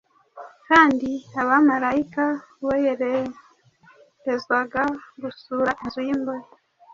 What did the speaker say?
kandi abamarayika boherezwaga gusura inzu y’imbohe.